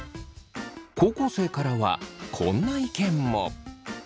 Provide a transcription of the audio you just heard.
高校生からはこんな意見も。